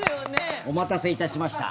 お待たせいたしました。